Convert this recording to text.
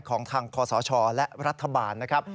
ของทางคศและรัฐบาลนะครับ